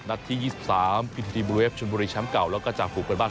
นัดที่ยี่สิบสามชนบุรีช้ำเก่าแล้วก็จะผูกเป็นบ้าน